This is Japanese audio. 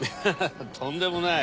とんでもない。